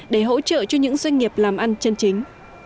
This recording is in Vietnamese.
để hỗ trợ cho những doanh nghiệp làm ăn chân chính